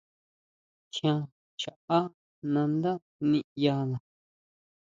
Tjián chaʼá nandá niʼyana.